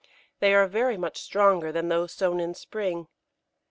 They are very much stronger than those sown in spring.